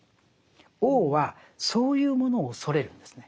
王はそういうものを恐れるんですね。